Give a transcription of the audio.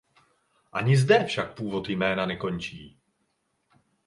Ani zde však původ jména nekončí.